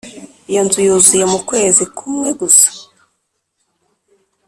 Iyo nzu yuzuye mu kwezi kmwe gusa